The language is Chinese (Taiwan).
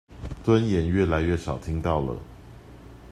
尊嚴越來越少聽到了